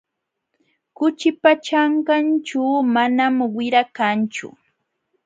Kuchipa ćhankanćhu manam wira kanchu.